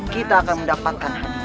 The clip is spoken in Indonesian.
kita akan mendapatkan hadiah